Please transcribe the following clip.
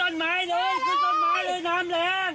น้ำแรง